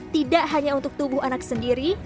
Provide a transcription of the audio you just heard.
tidak hanya untuk tubuh anak sendiri